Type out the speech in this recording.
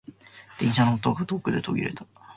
電車の音が遠くで途切れた。